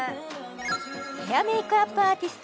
ヘアメイクアップアーティスト